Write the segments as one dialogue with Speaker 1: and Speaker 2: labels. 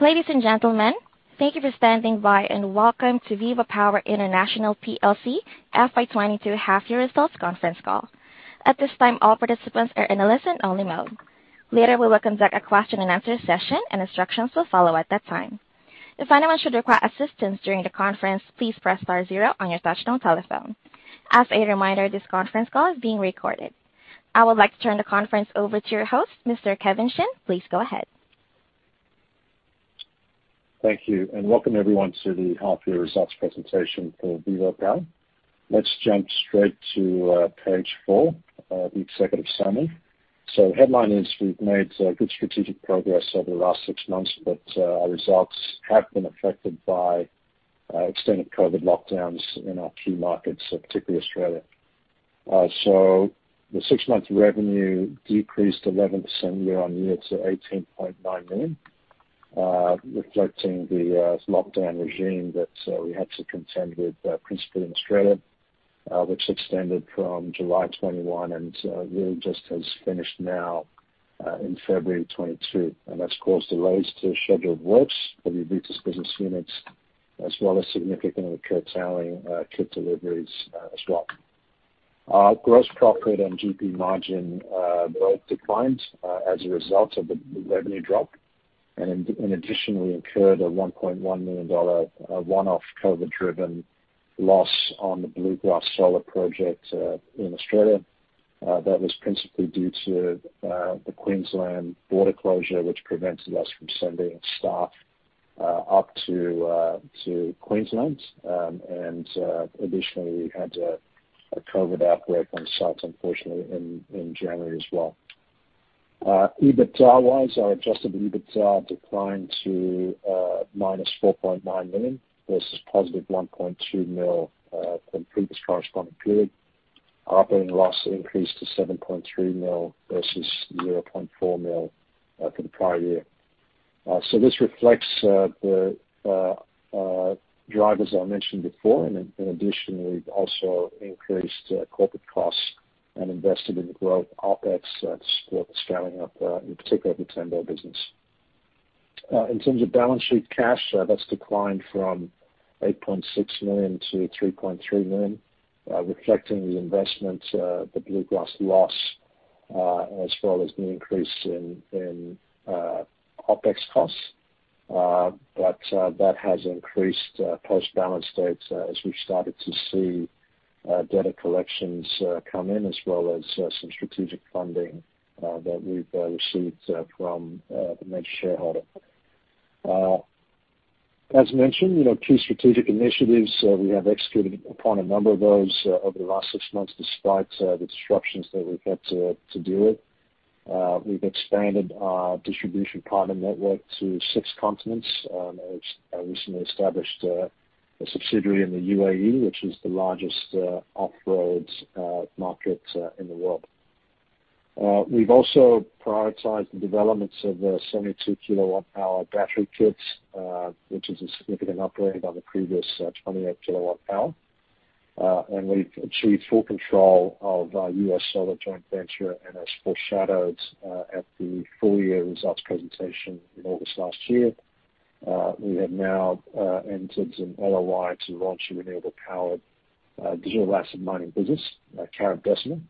Speaker 1: Ladies and gentlemen, thank you for standing by, and welcome to VivoPower International PLC FY 2022 half year results conference call. At this time, all participants are in a listen only mode. Later, we will conduct a question and answer session, and instructions will follow at that time. If anyone should require assistance during the conference, please press star zero on your touchtone telephone. As a reminder, this conference call is being recorded. I would like to turn the conference over to your host, Mr. Kevin Chin. Please go ahead.
Speaker 2: Thank you, and welcome everyone to the half-year results presentation for VivoPower. Let's jump straight to page four, the executive summary. Headline is we've made good strategic progress over the last six months, but our results have been affected by extended COVID lockdowns in our key markets, particularly Australia. The six-month revenue decreased 11% year-on-year to $18.9 million, reflecting the lockdown regime that we had to contend with, principally in Australia, which extended from July 2021 and really just has finished now, in February 2022. That's caused delays to scheduled works for the business units as well as significantly curtailing kit deliveries, as well. Our gross profit and GP margin both declined as a result of the revenue drop and additionally incurred a $1.1 million one-off COVID-driven loss on the Bluegrass Solar Project in Australia. That was principally due to the Queensland border closure, which prevented us from sending staff up to Queensland. Additionally, we had a COVID outbreak on site unfortunately in January as well. EBITDA-wise, our adjusted EBITDA declined to -$4.9 million versus $1.2 million from previous corresponding period. Operating loss increased to $7.3 million versus $0.4 million for the prior year. This reflects the drivers I mentioned before and in addition we've also increased corporate costs and invested in growth OpEx to support the scaling up in particular the Tembo business. In terms of balance sheet cash, that's declined from $8.6 million to $3.3 million, reflecting the investment, the Bluegrass loss, as well as the increase in OpEx costs. That has increased post balance date as we've started to see debt collections come in, as well as some strategic funding that we've received from the major shareholder. As mentioned, you know, key strategic initiatives we have executed upon a number of those over the last six months despite the disruptions that we've had to deal with. We've expanded our distribution partner network to six continents, as I recently established a subsidiary in the UAE, which is the largest off-road market in the world. We've also prioritized the developments of the 72 kWh battery kits, which is a significant upgrade on the previous 28 kWh. We've achieved full control of our U.S. solar joint venture and as foreshadowed at the full-year results presentation in August last year, we have now entered an LOI to launch a renewable-powered digital asset mining business at Caret Decimal,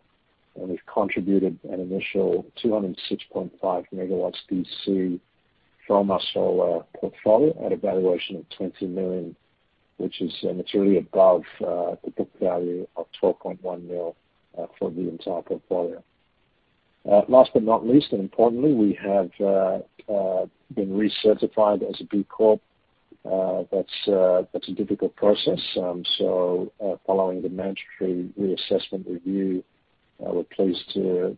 Speaker 2: and we've contributed an initial 206.5 MW DC from our solar portfolio at a valuation of $20 million, which is materially above the book value of $12.1 million for the entire portfolio. Last but not least, and importantly, we have been recertified as a B Corp. That's a difficult process. Following the mandatory reassessment review, we're pleased to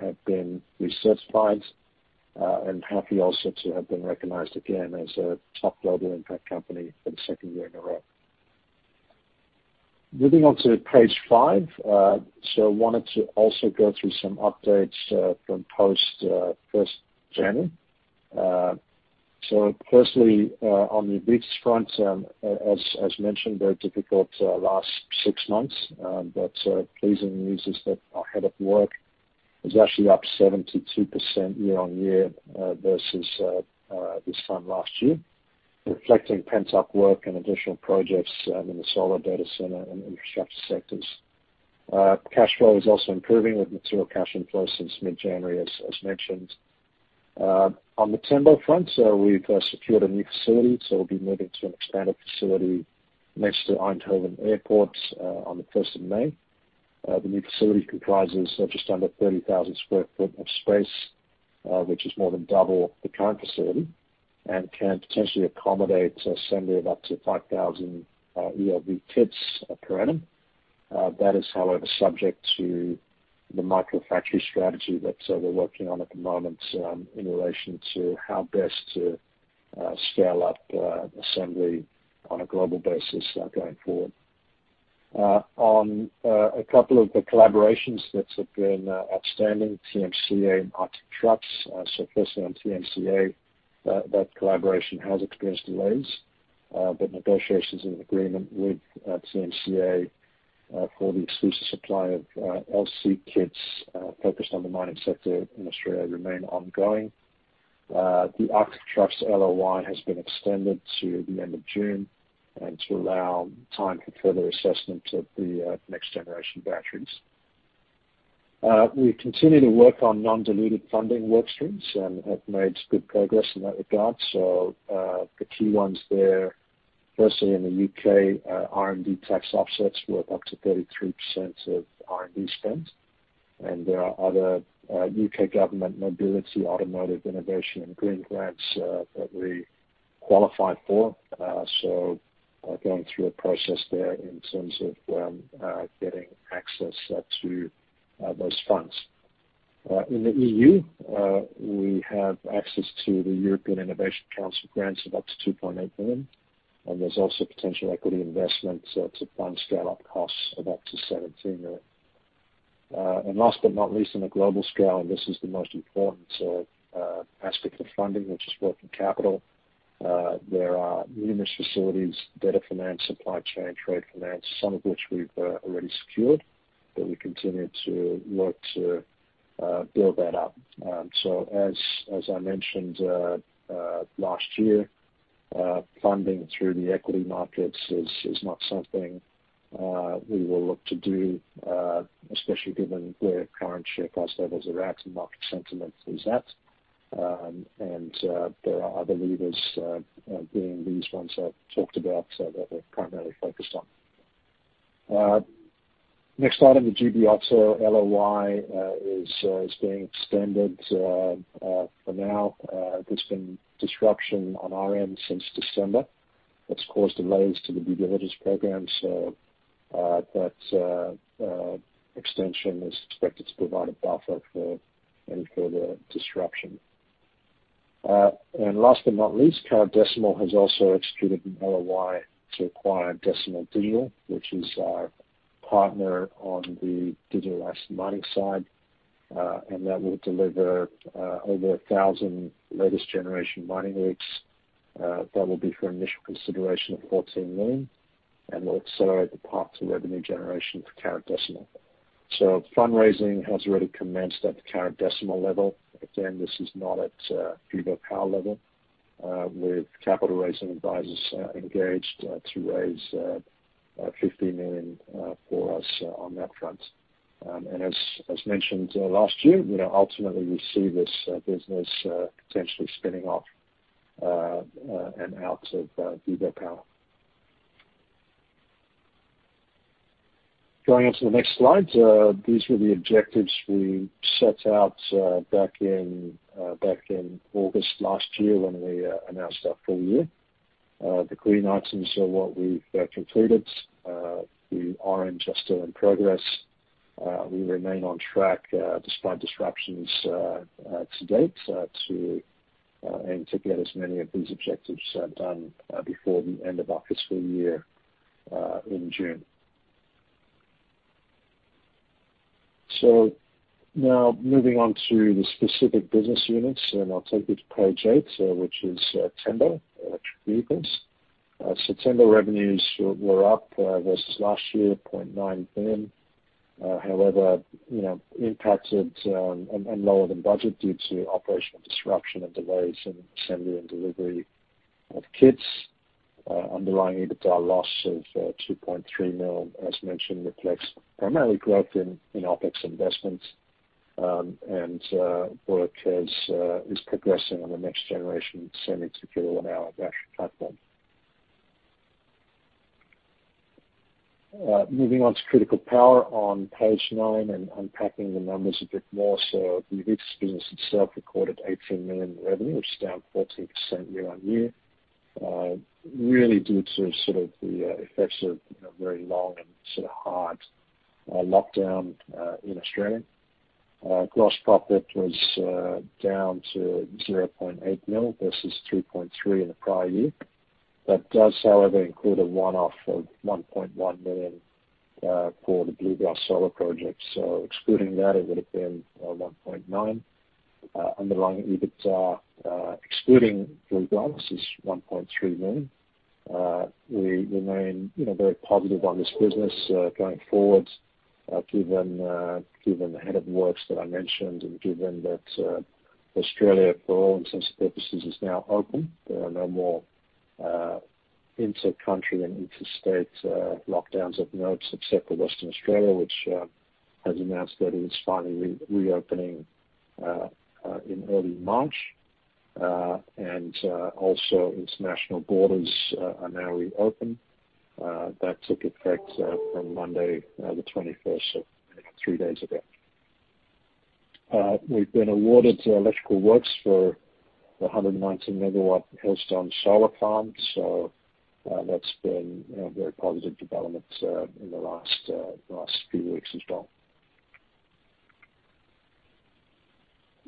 Speaker 2: have been recertified and happy also to have been recognized again as a top global impact company for the second year in a row. Moving on to page five. Wanted to also go through some updates from post first January. Firstly, on the front, as mentioned, very difficult last six months. Pleasing news is that our head of work is actually up 72% year-on-year versus this time last year, reflecting pent-up work and additional projects in the solar data center and infrastructure sectors. Cash flow is also improving with material cash inflows since mid-January, as mentioned. On the Tembo front, we've secured a new facility, so we'll be moving to an expanded facility next to Eindhoven Airport on the first of May. The new facility comprises just under 30,000 sq ft of space, which is more than double the current facility and can potentially accommodate assembly of up to 5,000 e-LV kits per annum. That is, however, subject to the micro factory strategy that we're working on at the moment in relation to how best to scale up assembly on a global basis going forward. On a couple of the collaborations that have been outstanding, TMCA and Arctic Trucks. First on TMCA, that collaboration has experienced delays. Negotiations and agreement with TMCA for the exclusive supply of e-LV kits focused on the mining sector in Australia remain ongoing. The Arctic Trucks LOI has been extended to the end of June to allow time for further assessment of the next generation batteries. We continue to work on non-dilutive funding work streams and have made good progress in that regard. The key ones there, firstly in the U.K., R&D tax offsets worth up to 33% of R&D spend. There are other U.K. government mobility, automotive innovation, and green grants that we qualify for. We are going through a process there in terms of getting access to those funds. In the EU, we have access to the European Innovation Council grants of up to $2.8 million, and there's also potential equity investments to fund scale-up costs of up to $17 million. Last but not least, on a global scale, this is the most important aspect of funding, which is working capital. There are numerous facilities, debt finance, supply chain, trade finance, some of which we've already secured, but we continue to work to build that up. As I mentioned last year, funding through the equity markets is not something we will look to do, especially given where current share price levels are at and market sentiment is at. There are other levers being these ones I've talked about that we're primarily focused on. Next item, the GB Auto LOI is being extended for now. There's been disruption on our end since December that's caused delays to the due diligence program, that extension is expected to provide a buffer for any further disruption. Last but not least, Caret Decimal has also executed an LOI to acquire Decimal Digital, which is our partner on the digital asset mining side, and that will deliver over 1,000 latest generation mining rigs. That will be for initial consideration of $14 million and will accelerate the path to revenue generation for Caret Decimal. Fundraising has already commenced at the Caret Decimal level. Again, this is not at VivoPower level with capital raising advisors engaged to raise $50 million for us on that front. As mentioned last year, you know, ultimately we see this business potentially spinning off and out of VivoPower. Going on to the next slide. These were the objectives we set out back in August last year when we announced our full year. The green items are what we've completed. The orange are still in progress. We remain on track despite disruptions to date and to get as many of these objectives done before the end of our fiscal year in June. Now moving on to the specific business units, and I'll take you to page eight, which is Tembo electric vehicles. Tembo revenues were up versus last year $0.9 million. However, you know, impacted and lower than budget due to operational disruption and delays in assembly and delivery of kits. Underlying EBITDA loss of $2.3 million, as mentioned, reflects primarily growth in OpEx investments. Work is progressing on the next generation semi-secure one hour battery platform. Moving on to Critical Power on page nine and unpacking the numbers a bit more. The VivoPower business itself recorded $18 million in revenue, which is down 14% year-on-year, really due to sort of the effects of, you know, very long and sort of hard lockdown in Australia. Gross profit was down to $0.8 million versus $3.3 million in the prior year. That does, however, include a one-off of $1.1 million for the Bluegrass solar project. Excluding that, it would have been $1.9 million. Underlying EBITDA excluding Bluegrass is $1.3 million. We remain, you know, very positive on this business going forward, given the head of works that I mentioned and given that Australia for all intents and purposes is now open. There are no more inter-country and interstate lockdowns of note, except for Western Australia, which has announced that it is finally reopening in early March. Also international borders are now reopened. That took effect from Monday, the twenty-first, so three days ago. We've been awarded electrical works for the 119 MW Hillstone Solar Farm, so that's been, you know, a very positive development in the last few weeks as well.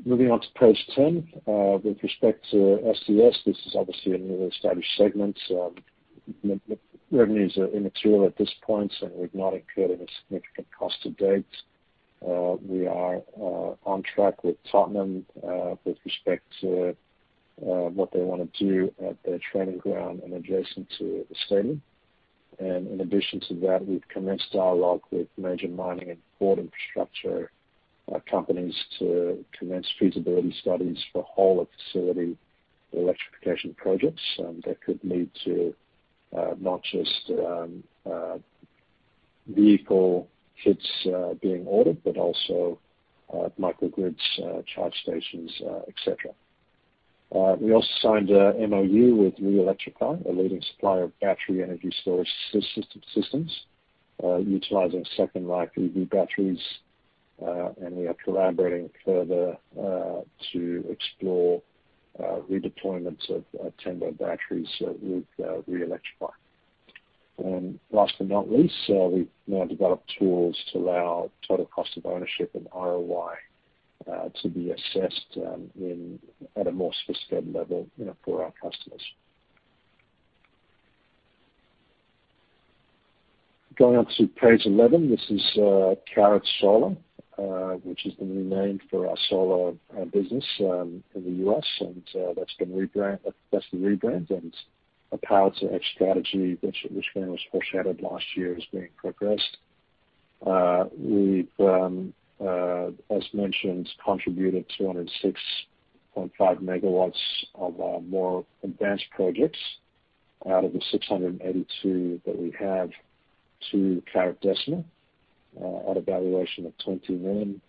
Speaker 2: Moving on to page 10. With respect to SES, this is obviously a newly established segment. Revenues are immaterial at this point, and we've not incurred any significant cost to date. We are on track with Tottenham with respect to what they wanna do at their training ground and adjacent to the stadium. In addition to that, we've commenced dialogue with major mining and port infrastructure companies to commence feasibility studies for whole of facility electrification projects that could lead to not just vehicle kits being ordered, but also microgrids, charge stations, et cetera. We also signed a MOU with Re-Electrify, a leading supplier of battery energy storage systems utilizing second life EV batteries. We are collaborating further to explore redeployments of Tembo batteries with Re-Electrify. Last but not least, we've now developed tools to allow total cost of ownership and ROI to be assessed in at a more sophisticated level, you know, for our customers. Going on to page 11, this is Caret Solar, which has been renamed for our solar business in the U.S. and that's the rebrand and a power-to-edge strategy which was foreshadowed last year is being progressed. We've as mentioned, contributed 206.5 MW of more advanced projects out of the 682 that we have to Caret Decimal at a valuation of $20 million.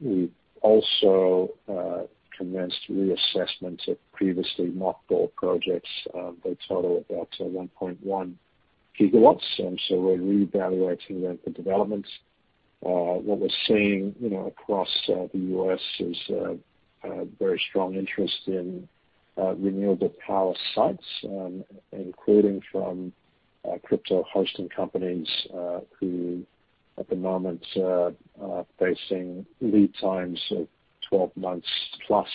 Speaker 2: We've also commenced reassessment of previously mothballed projects that total about 1.1 GW, and so we're reevaluating them for development. What we're seeing, you know, across the U.S. is very strong interest in renewable power sites, including from crypto hosting companies who at the moment are facing lead times of 12 months plus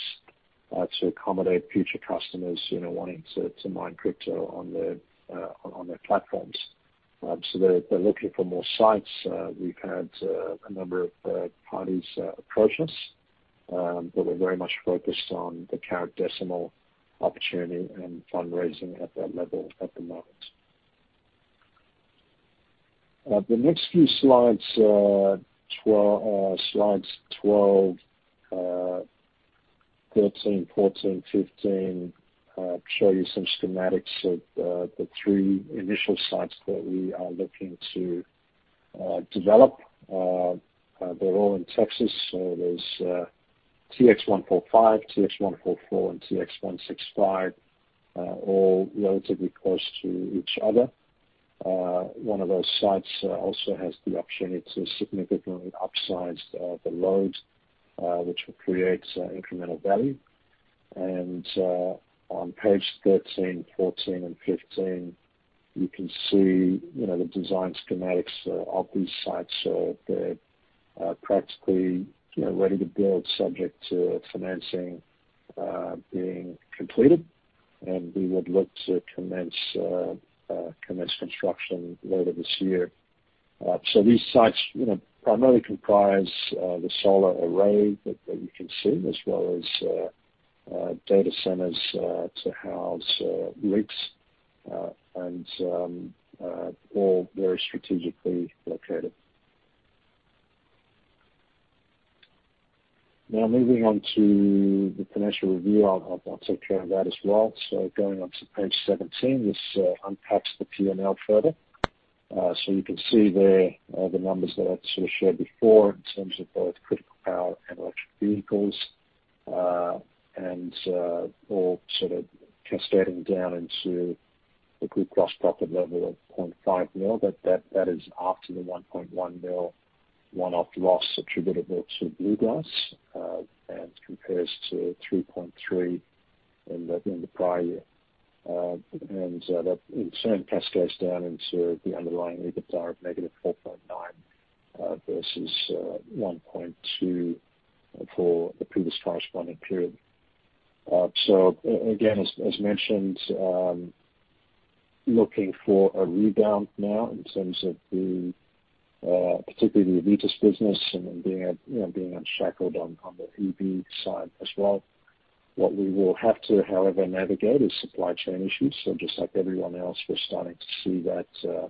Speaker 2: to accommodate future customers, you know, wanting to mine crypto on their platforms. They're looking for more sites. We've had a number of parties approach us, but we're very much focused on the Caret Decimal opportunity and fundraising at that level at the moment. The next few slides 12, 13, 14, 15 show you some schematics of the three initial sites that we are looking to develop. They're all in Texas. There's TX-145, TX-144, and TX-165 all relatively close to each other. One of those sites also has the opportunity to significantly upsize the load, which will create incremental value. On page 13, 14, and 15, you can see, you know, the design schematics of these sites. They're practically, you know, ready to build subject to financing being completed, and we would look to commence construction later this year. These sites, you know, primarily comprise the solar array that you can see, as well as data centers to house rigs and all very strategically located. Now moving on to the financial review. I'll take care of that as well. Going on to page 17, this unpacks the P&L further. You can see there the numbers that I've sort of showed before in terms of both Critical Power and electric vehicles, and all sort of cascading down into the group gross profit level of $0.5 million. But that is after the $1.1 million one-off loss attributable to Bluegrass, and compares to $3.3 million in the prior year. And that in turn cascades down into the underlying EBITDA of -$4.9 million versus $1.2 million for the previous corresponding period. Again, as mentioned, looking for a rebound now in terms of particularly the Aevitas business and then being, you know, unshackled on the EV side as well. What we will have to, however, navigate is supply chain issues. Just like everyone else, we're starting to see that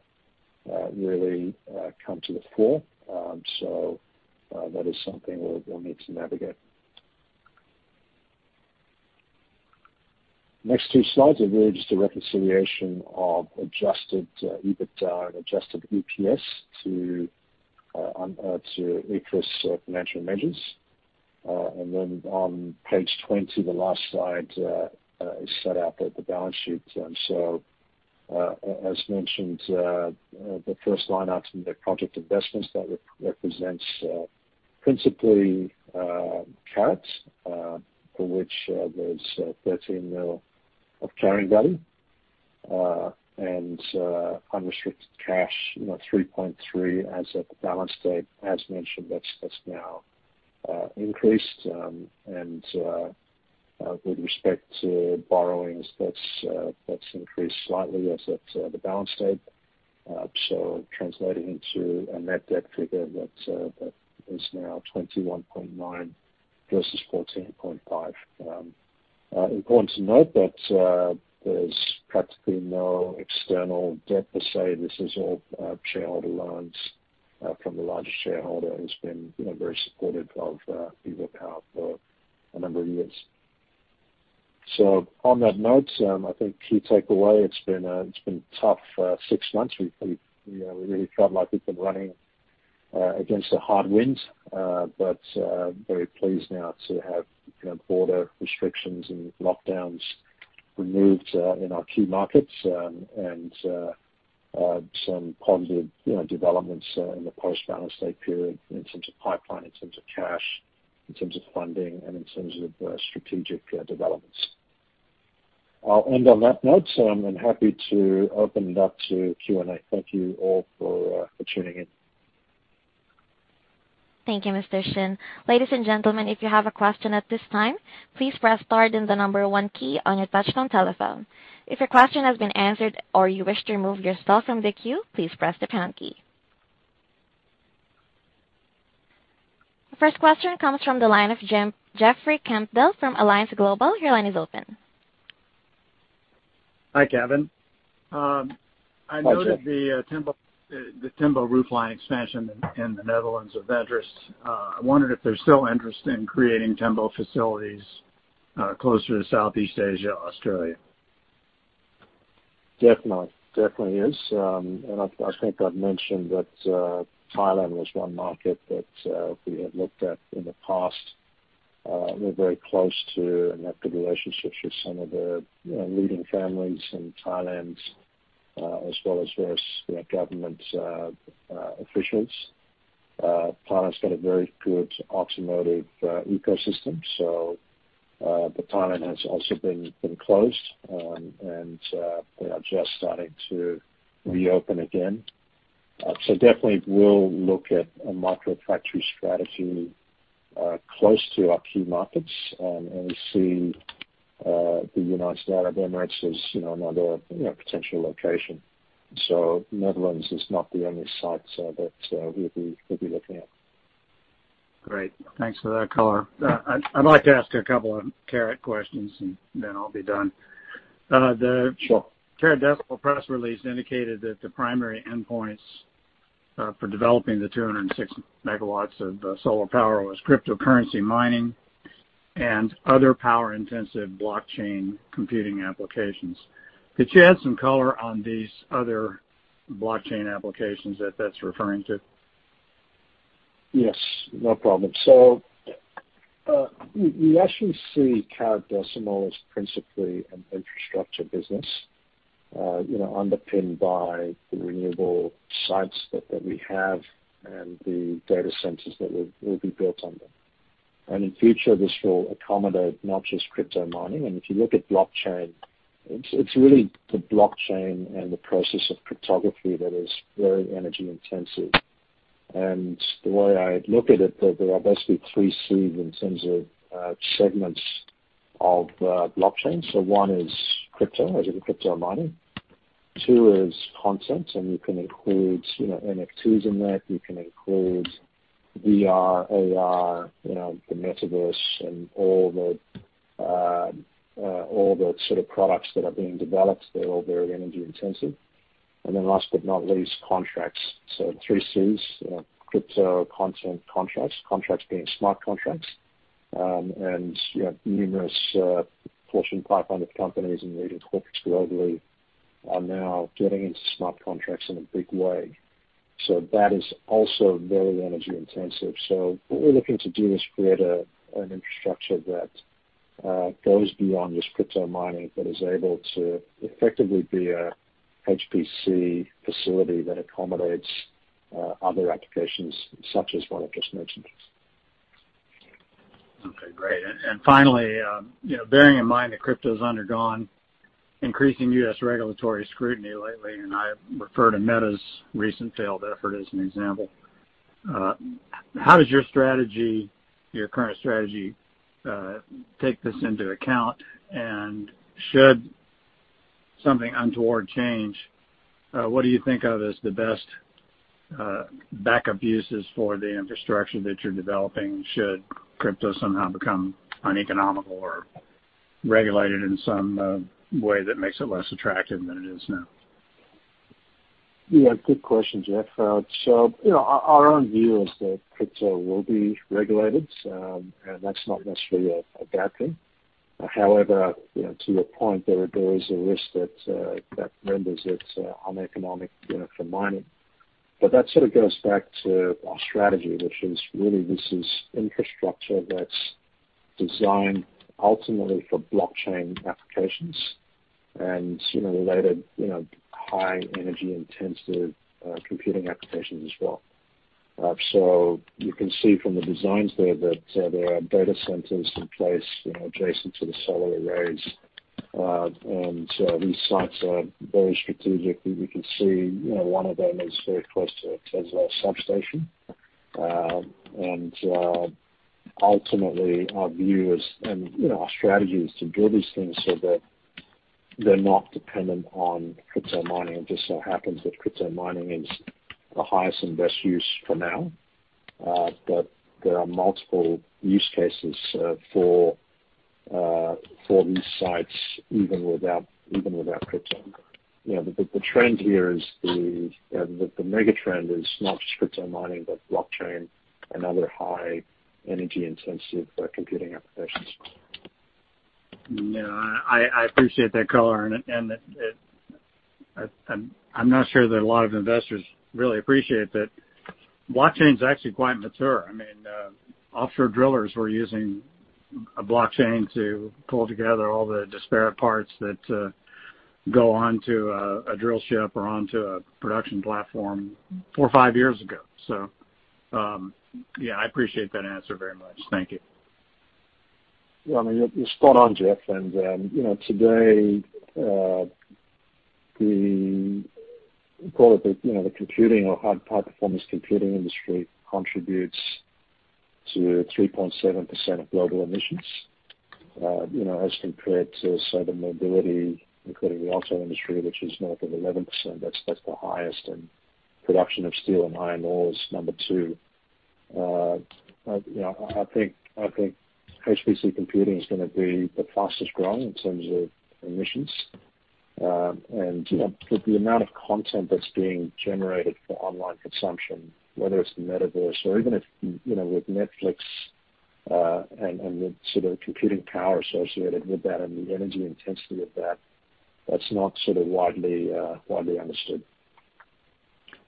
Speaker 2: really come to the fore. That is something we'll need to navigate. Next two slides are really just a reconciliation of adjusted EBITDA and adjusted EPS to IFRS financial measures. Then on page 20, the last slide has set out the balance sheet. As mentioned, the first line item there, project investments, that represents principally Caret, for which there's $13 million of carrying value. Unrestricted cash, you know, $3.3 million as of the balance date. As mentioned, that's now increased, and with respect to borrowings, that's increased slightly as at the balance date. Translating into a net debt figure that's now $21.9 versus $14.5. Important to note that there's practically no external debt per se. This is all shareholder loans from the largest shareholder who's been, you know, very supportive of VivoPower for a number of years. On that note, I think key takeaway, it's been tough six months. We've you know, we really felt like we've been running against the headwinds. Very pleased now to have, you know, border restrictions and lockdowns removed in our key markets. Some positive, you know, developments in the post-balance date period in terms of pipeline, in terms of cash, in terms of funding, and in terms of strategic developments. I'll end on that note, so I'm happy to open it up to Q&A. Thank you all for tuning in.
Speaker 1: Thank you, Mr. Chin. Ladies and gentlemen, if you have a question at this time, please press star then the number one key on your touchtone telephone. If your question has been answered or you wish to remove yourself from the queue, please press the pound key. The first question comes from the line of Jeffrey Campbell from Alliance Global Partners. Your line is open.
Speaker 3: Hi, Kevin.
Speaker 2: Hi, Jeff.
Speaker 3: I noted the Tembo new line expansion in the Netherlands of interest. I wondered if there's still interest in creating Tembo facilities closer to Southeast Asia or Australia.
Speaker 2: Definitely. I think I've mentioned that Thailand was one market that we had looked at in the past. We're very close to and have good relationships with some of the, you know, leading families in Thailand, as well as various, you know, government officials. Thailand's got a very good automotive ecosystem. But Thailand has also been closed, and they are just starting to reopen again. Definitely we'll look at a microfactory strategy close to our key markets. We see the United Arab Emirates as, you know, another, you know, potential location. Netherlands is not the only site that we'll be looking at.
Speaker 3: Great. Thanks for that color. I'd like to ask a couple of Caret questions and then I'll be done.
Speaker 2: Sure.
Speaker 3: Caret Digital press release indicated that the primary endpoints for developing the 206 MW of solar power was cryptocurrency mining and other power-intensive blockchain computing applications. Could you add some color on these other blockchain applications that that's referring to?
Speaker 2: Yes, no problem. We actually see Caret Decimal as principally an infrastructure business, you know, underpinned by the renewable sites that we have and the data centers that will be built on them. In future, this will accommodate not just crypto mining. If you look at blockchain, it's really the blockchain and the process of cryptography that is very energy intensive. The way I look at it, there are basically three Cs in terms of segments of blockchain. One is crypto, as in crypto mining. Two is content, and you can include, you know, NFTs in that. You can include VR, AR, you know, the Metaverse and all the sort of products that are being developed. They're all very energy intensive. Then last but not least, contracts. Three Cs, crypto, content, contracts. Contracts being smart contracts. You know, numerous Fortune 500 companies and leading corporates globally are now getting into smart contracts in a big way. That is also very energy intensive. What we're looking to do is create an infrastructure that goes beyond just crypto mining, but is able to effectively be a HPC facility that accommodates other applications such as what I've just mentioned.
Speaker 3: Okay, great. Finally, you know, bearing in mind that crypto's undergone increasing U.S. regulatory scrutiny lately, and I refer to Meta's recent failed effort as an example. How does your strategy, your current strategy, take this into account? Should something untoward change, what do you think of as the best backup uses for the infrastructure that you're developing should crypto somehow become uneconomical or regulated in some way that makes it less attractive than it is now?
Speaker 2: Yeah, good question, Jeff. You know, our own view is that crypto will be regulated, and that's not necessarily a bad thing. However, you know, to your point, there is a risk that renders it uneconomic, you know, for mining. That sort of goes back to our strategy, which is really this is infrastructure that's designed ultimately for blockchain applications and, you know, related, you know, high energy intensive computing applications as well. You can see from the designs there that there are data centers in place, you know, adjacent to the solar arrays, and these sites are very strategic. We can see, you know, one of them is very close to a ERCOT substation, and ultimately our view is. You know, our strategy is to build these things so that they're not dependent on crypto mining. It just so happens that crypto mining is the highest and best use for now. But there are multiple use cases for these sites even without crypto. You know, the trend here is the mega trend is not just crypto mining, but blockchain and other high energy-intensive computing applications.
Speaker 3: No, I appreciate that color. I'm not sure that a lot of investors really appreciate that blockchain's actually quite mature. I mean, offshore drillers were using a blockchain to pull together all the disparate parts that go onto a drill ship or onto a production platform 4-5 years ago. Yeah, I appreciate that answer very much. Thank you.
Speaker 2: Yeah. I mean, you're spot on, Jeff. Today the computing or high performance computing industry contributes to 3.7% of global emissions, as compared to say the mobility, including the auto industry, which is north of 11%. That's the highest. Production of steel and iron ore is number two. I think HPC computing is gonna be the fastest growing in terms of emissions. With the amount of content that's being generated for online consumption, whether it's the Metaverse or even if you know with Netflix and the sort of computing power associated with that and the energy intensity of that's not sort of widely understood.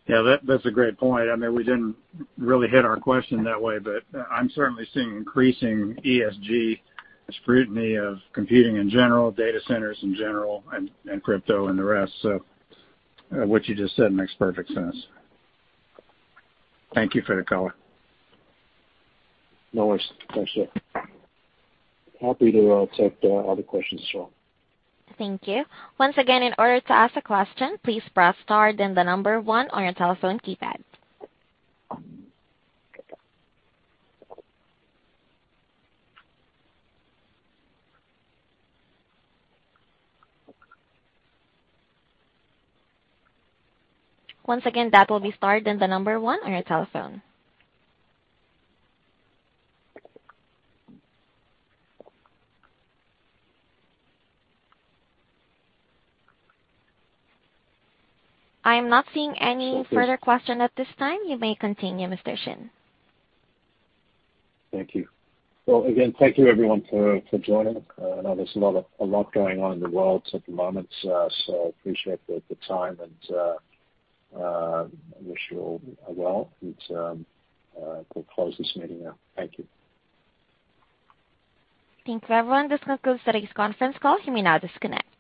Speaker 3: Yeah. That, that's a great point. I mean, we didn't really hit our question that way, but, I'm certainly seeing increasing ESG scrutiny of computing in general, data centers in general and crypto and the rest. So, what you just said makes perfect sense. Thank you for the color.
Speaker 2: No worries. Thanks, Jeff. Happy to take other questions as well.
Speaker 1: Thank you. Once again, in order to ask a question, please press star then the number one on your telephone keypad. Once again, that will be star then the number one on your telephone. I am not seeing any further question at this time. You may continue, Mr. Chin.
Speaker 2: Thank you. Well, again, thank you everyone for joining. I know there's a lot going on in the world at the moment. I appreciate the time and wish you all well. We'll close this meeting now. Thank you.
Speaker 1: Thank you, everyone. This concludes today's conference call. You may now disconnect.